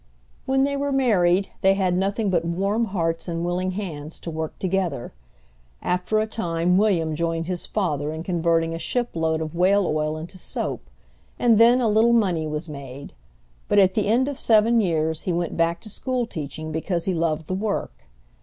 When they were married, they had nothing but warm hearts and willing hands to work together. After a time William joined his father in converting a ship load of whale oil into soap, and then a little money was made; but at the end of seven years he went back to school teaching because he loved the work.